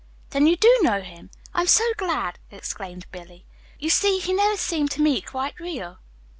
"Then you do know him! I'm so glad," exclaimed Billy. "You see, he never seemed to me quite real."